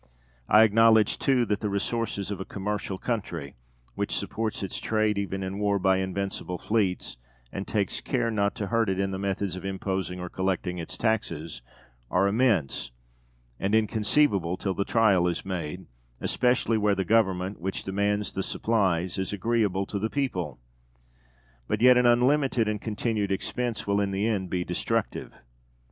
I acknowledge, too, that the resources of a commercial country, which supports its trade, even in war, by invincible fleets, and takes care not to hurt it in the methods of imposing or collecting its taxes, are immense, and inconceivable till the trial is made; especially where the Government, which demands the supplies, is agreeable to the people. But yet an unlimited and continued expense will in the end be destructive.